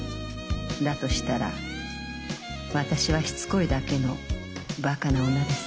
だとしたら私はしつこいだけのバカな女ですね。